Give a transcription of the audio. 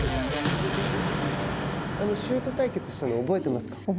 シュート対決したの覚えてますか。